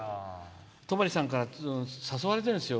戸張さんから誘われてるんですよ